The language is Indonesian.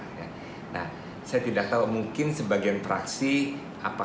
nah ini adalah satu peringatan yang sangat penting